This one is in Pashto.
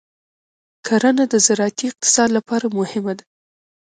کرنه د زراعتي اقتصاد لپاره مهمه ده.